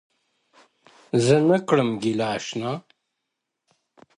زه نه كړم گيله اشنا.!